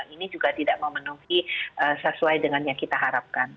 ini juga tidak memenuhi sesuai dengan yang kita harapkan